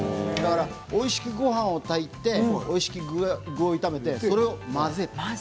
おいしくごはんを炊いておいしく具を炒めてそれを混ぜる。